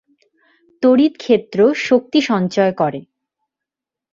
তড়িৎ ক্ষেত্র শক্তি সঞ্চয় করে।